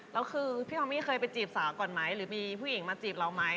แล้วคือพี่ฮอมมี่เคยไปจีบสาวก่อนไหมหรือมีผู้หญิงมาจีบเราไหม